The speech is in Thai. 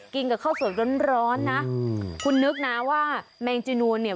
กินกับข้าวสวยร้อนนะคุณนึกนะว่าแมงจีนูนเนี่ย